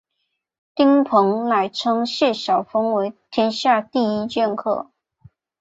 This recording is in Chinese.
丁鹏仍称谢晓峰为天下第一剑客。